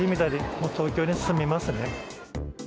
もう東京に住みますね。